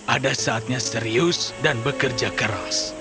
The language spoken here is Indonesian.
ada saatnya serius dan bekerja keras